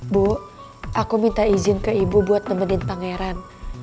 bu aku minta izin ke ibu buat nemenin pangeran